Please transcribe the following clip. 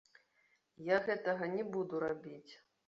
Я гэтага не буду рабіць.